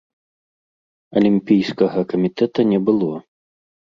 Алімпійскага камітэта не было.